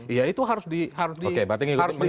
ya itu harus dihargai